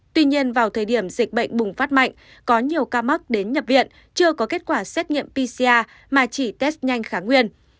tuy nhiên vào thời điểm dịch bệnh bùng phát mạnh có nhiều ca mắc đến nhập viện chưa có kết quả xét nghiệm pcr mà chỉ test nhanh kháng nguyên